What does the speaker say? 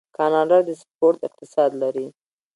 کاناډا د سپورت اقتصاد لري.